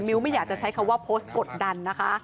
ไม่อยากจะใช้คำว่าโพสต์กดดันนะคะ